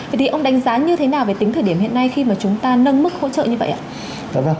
vậy thì ông đánh giá như thế nào về tính thời điểm hiện nay khi mà chúng ta nâng mức hỗ trợ như vậy ạ